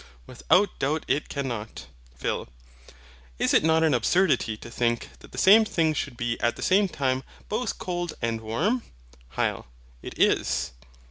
Without doubt it cannot. PHIL. Is it not an absurdity to think that the same thing should be at the same time both cold and warm? HYL. It is.